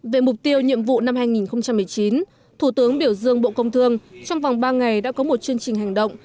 về mục tiêu nhiệm vụ năm hai nghìn một mươi chín thủ tướng biểu dương bộ công thương trong vòng ba ngày đã có một chương trình hành động